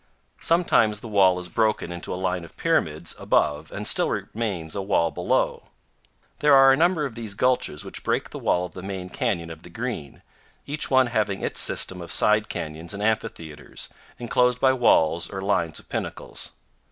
Sometimes the wall is broken into a line of pyramids above and still remains a wall below. There are a number of these gulches which break the wall of the main canyon of the Green, each one having its system of side canyons and amphitheaters, inclosed by walls or lines of pinnacles.